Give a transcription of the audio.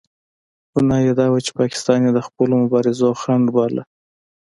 ګناه یې دا وه چې پاکستان یې د خپلو مبارزو خنډ بللو.